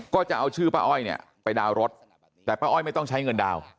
ก็จะเอาชื่อป้าอ้อยเนี่ยไปดาวน์รถแต่ป้าอ้อยไม่ต้องใช้เงินดาวน์